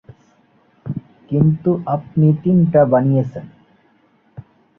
কিন্তু আপনি তিনটা বানিয়েছেন।